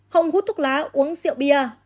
không hút thuốc lá uống rượu bia